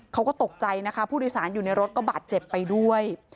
เขาก็ตกใจนะคะผู้โดยสารอยู่ในรถก็บาดเจ็บไปด้วย